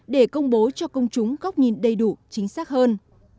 để công bố cho công chúng góc nhìn đầy đủ chính xác hơn